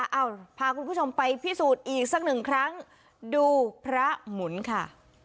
เอาพาคุณผู้ชมไปพิสูจน์อีกสักหนึ่งครั้งดูพระหมุนค่ะ